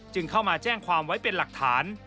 เข้ามาแจ้งความไว้เป็นหลักฐาน